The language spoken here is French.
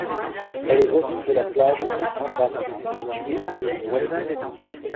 Elle est voisine de la plage de Sainte-Anne située à son ouest.